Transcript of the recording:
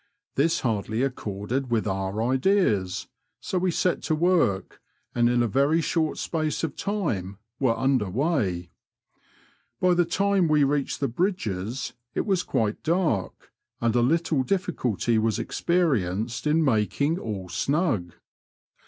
This hardly accorded with our ideas, so we set to work, and in a very short space of time were under weigh. By the time we reached the Bridg^es it was quite dark, and a little difficulty was experienced in making all snug.